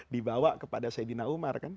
dibawa kepada saidina umar